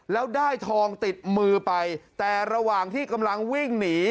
แล้วได้ทองติดมือไปแต่ระหว่างที่กำลังวิ่งหนี